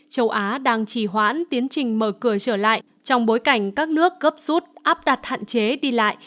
châu á đang trì hoãn tiến trình mở cửa trở lại trong bối cảnh các nước gấp rút áp đặt hạn chế đi lại